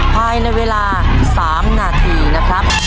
ภายในเวลา๓นาทีนะครับ